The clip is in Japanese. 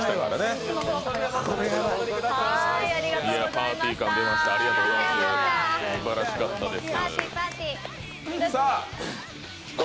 パーティー感出ました、ありがとうございます、すばらしかったです。